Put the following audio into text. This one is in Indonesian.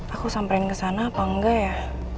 aku samperin kesana apa engga ya